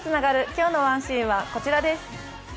今日の１シーンはこちらです。